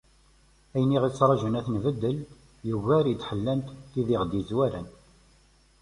Ayen i aɣ-d-yettraǧun ad t-nbeddel, yugar i d-ḥellant tid i aɣ-d-yezwaren.